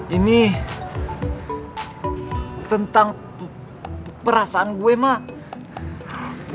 ini tentang perasaan gue mah